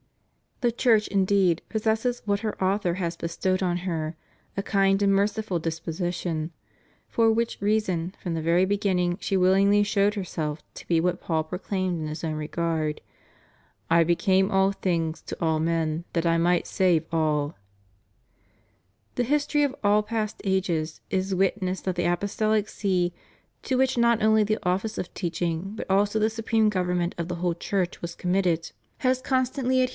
The Church, indeed, possesses what her Author has bestowed on her, a kind and merciful disposition; for which reason from the very beginning she willingly showed herself to be what Paul proclaimed in his own regard: / became all things to all men, that I might save all} The history of all past ages is witness that the Apostolic See, to which not only the office of teaching but also the supreme government of the whole Church was committed, has constantly adhered » John i.